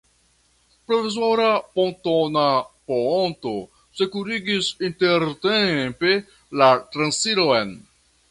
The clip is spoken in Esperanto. Provizora pontona poonto sekurigis intertempe la transiron.